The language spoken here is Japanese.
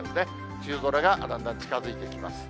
梅雨空がだんだん近づいてきます。